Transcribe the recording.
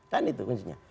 kan itu kuncinya